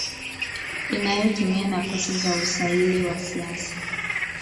inayotumia nafasi za usaili wa kisasa